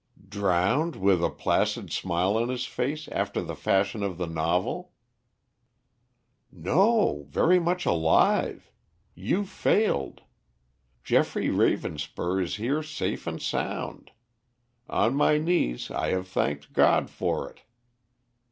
"Drowned, with a placid smile on his face, after the fashion of the novel?" "No, very much alive. You failed. Geoffrey Ravenspur is here safe and sound. On my knees I have thanked God for it."